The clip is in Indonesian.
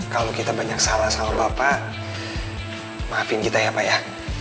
kalau kita banyak salah sama bapak maafin kita ya pak ya